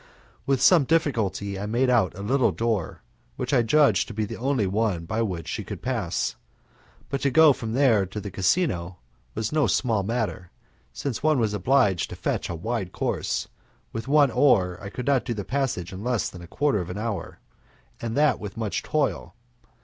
With some difficulty I made out a little door, which I judged to be the only one by which she could pass, but to go from there to the casino was no small matter, since one was obliged to fetch a wide course, and with one oar I could not do the passage in less than a quarter of an hour, and that with much toil.